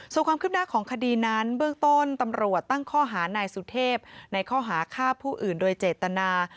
ส่วนความคืบหน้าของคดีนั้นเบื้องต้นตำรวจตั้งข้อหานายสุเทพในข้อหาฆ่าผู้อื่นโดยเจตนา